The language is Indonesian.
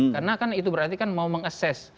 karena kan itu berarti kan mau meng assess